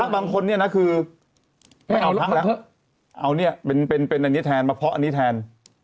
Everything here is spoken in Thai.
บางคนนะคือเอาอันนี้แทน